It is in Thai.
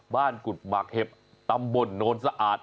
กุฎหมากเห็บตำบลโนนสะอาด